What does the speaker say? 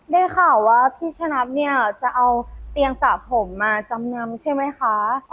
ได้ข่าวว่าพี่ชะนัดเนี่ยจะเอาเตียงสระผมมาจำนำใช่ไหมคะ